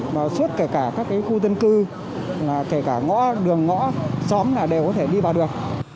và suốt kể cả các cái khu dân cư kể cả ngõ đường ngõ xóm là đều có thể đi vào được